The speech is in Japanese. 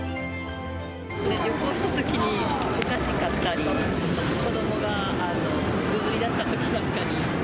旅行したときに、お菓子買ったり、子どもがぐずりだしたとき買ったり。